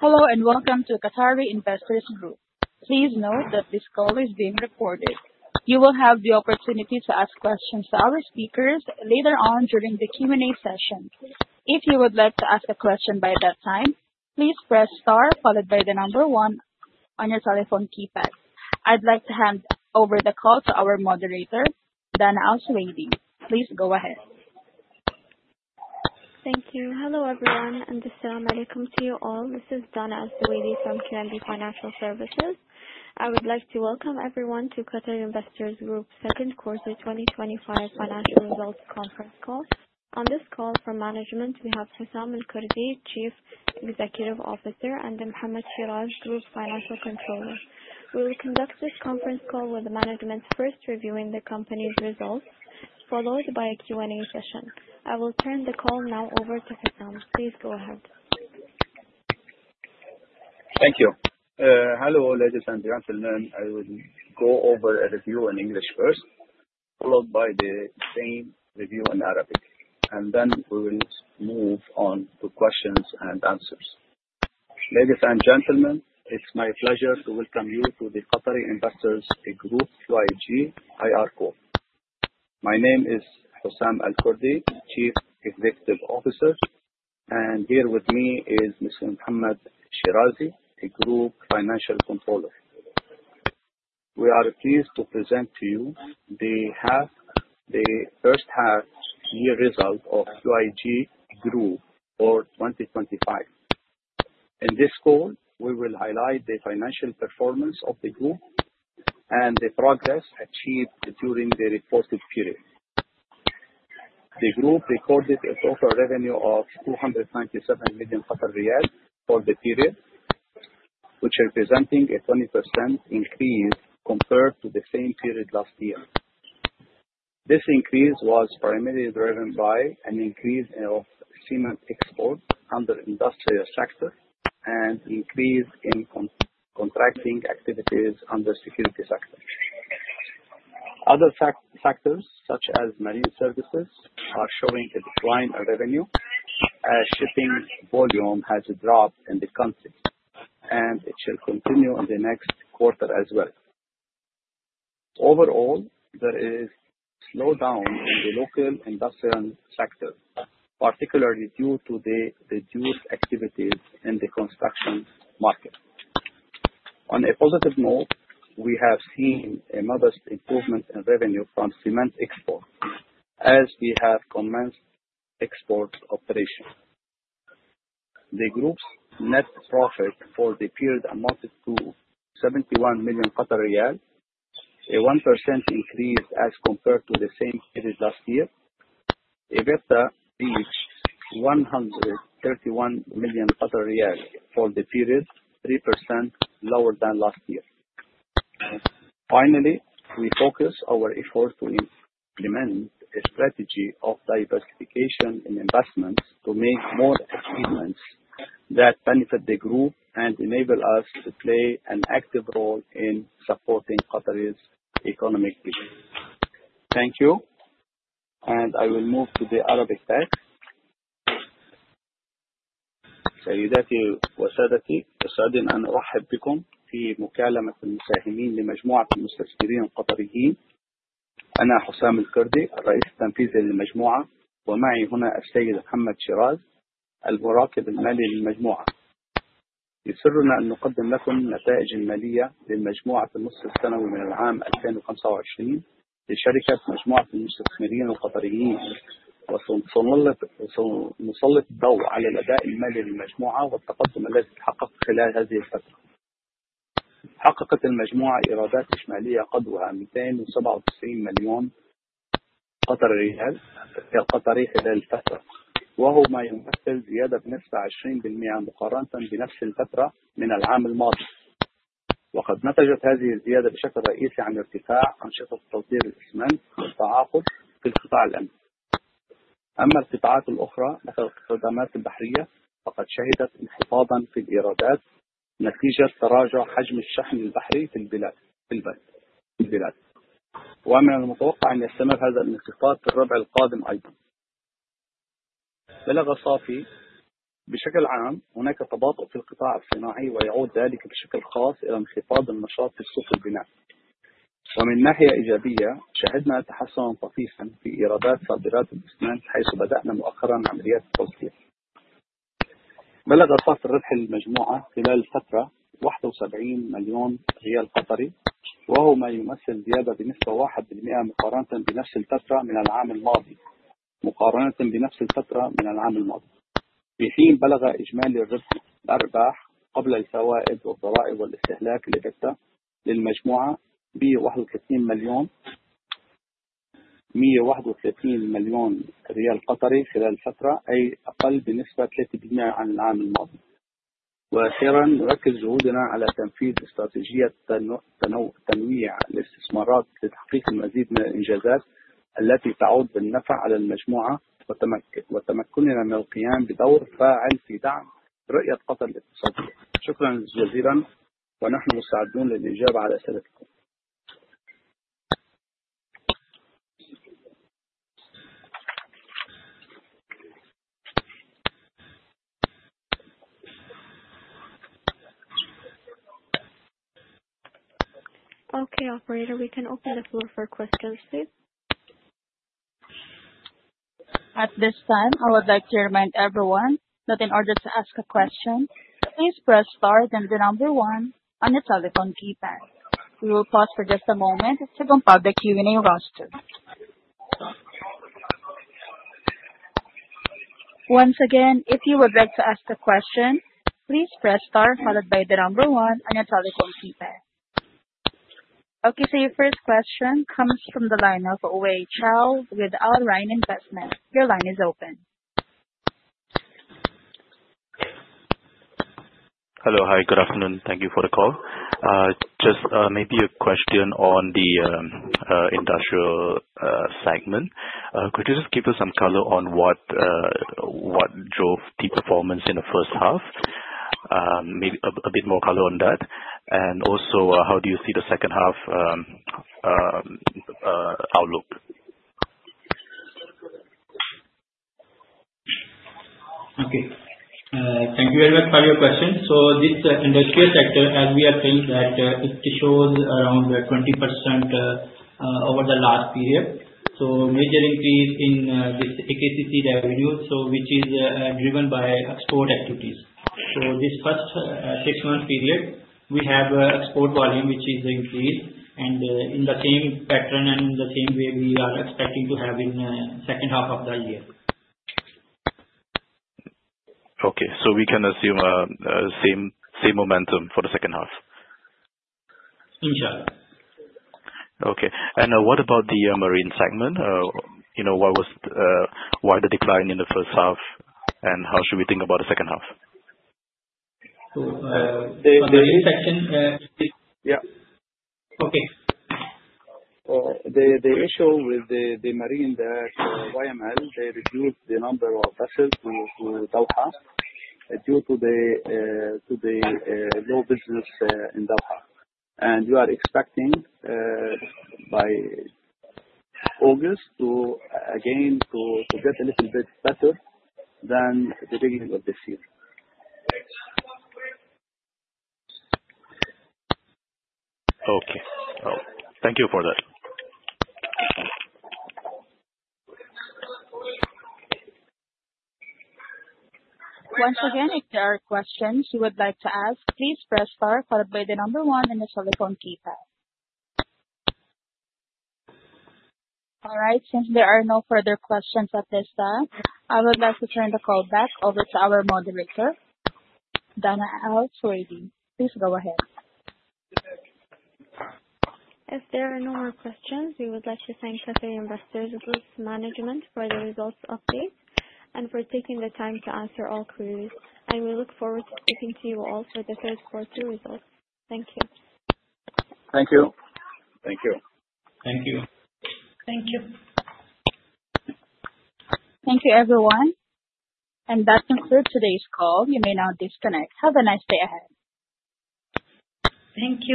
Hello, and welcome to Qatari Investors Group. Please note that this call is being recorded. You will have the opportunity to ask questions to our speakers later on during the Q&A session. If you would like to ask a question by that time, please press star followed by the number one on your telephone keypad. I'd like to hand over the call to our moderator, Dana Al-Sowaidi. Please go ahead. Thank you. Hello, everyone, and salaam alaikum to you all. This is Dana Al-Sowaidi from QNB Financial Services. I would like to welcome everyone to Qatari Investors Group's second quarter 2025 financial results conference call. On this call from management, we have Houssam El Kurdi, Chief Executive Officer, and Muhammad Shiraz, Group Financial Controller. We will conduct this conference call with the management first reviewing the company's results, followed by a Q&A session. I will turn the call now over to Houssam. Please go ahead. Thank you. Hello, ladies and gentlemen. I will go over a review in English first, followed by the same review in Arabic, and then we will move on to questions and answers. Ladies and gentlemen, it's my pleasure to welcome you to the Qatari Investors Group (QIG) IR call. My name is Houssam El Kurdi, Chief Executive Officer, and here with me is Mr. Mohammed Shirazi, the Group Financial Controller. We are pleased to present to you the first half year results of QIG Group for 2025. In this call, we will highlight the financial performance of the Group and the progress achieved during the reported period. The Group recorded a total revenue of 297 million riyal for the period, which representing a 20% increase compared to the same period last year. This increase was primarily driven by an increase in cement exports under industrial sector and increase in contracting activities under security sector. Other factors, such as marine services, are showing a decline in revenue as shipping volume has dropped in the country, and it shall continue on the next quarter as well. Overall, there is slowdown in the local industrial sector, particularly due to the reduced activities in the construction market. On a positive note, we have seen a modest improvement in revenue from cement export as we have commenced export operations. The group's net profit for the period amounted to 71 million riyal, a 1% increase as compared to the same period last year. EBITDA reached 131 million riyal for the period, 3% lower than last year. Finally, we focus our effort to implement a strategy of diversification in investments to make more achievements that benefit the group and enable us to play an active role in supporting Qatar's economic vision. Thank you, and I will move to the Arabic part. Okay, operator, we can open the floor for questions, please. At this time, I would like to remind everyone that in order to ask a question, please press star, then the number one on your telephone keypad. We will pause for just a moment to compile the Q&A roster. Once again, if you would like to ask a question, please press star followed by the number one on your telephone keypad. Okay, so your first question comes from the line of Wei Chao with Al Rayan Investment. Your line is open. Hello. Hi, good afternoon. Thank you for the call. Just maybe a question on the industrial segment. Could you just give us some color on what drove the performance in the first half? Maybe a bit more color on that. And also, how do you see the second half outlook? Okay. Thank you very much for your question. So this industrial sector, as we have said, that it shows around 20% over the last period. So major increase in this AKCC revenue, so which is driven by export activities. So this first six-month period, we have export volume, which is increased, and in the same pattern and the same way we are expecting to have in second half of the year. Okay. So we can assume same momentum for the second half? Inshallah. Okay. And, what about the Marine segment? You know, what was, why the decline in the first half, and how should we think about the second half? So, The Marine Services, Yeah. Okay. The issue with the Marine YML, they reduced the number of vessels to Doha due to the low business in Doha. We are expecting by August to again get a little bit better than the beginning of this year. Okay. Thank you for that. Once again, if there are questions you would like to ask, please press star followed by the number one on your telephone keypad. All right. Since there are no further questions at this time, I would like to turn the call back over to our moderator, Dana Al-Sowaidi. Please go ahead. If there are no more questions, we would like to thank Qatari Investors Group's management for the results update, and for taking the time to answer all queries. We look forward to speaking to you all for the third quarter results. Thank you. Thank you. Thank you. Thank you. Thank you. Thank you, everyone. That concludes today's call. You may now disconnect. Have a nice day ahead. Thank you.